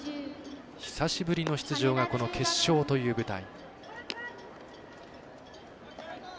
久しぶりの出場がこの決勝という舞台。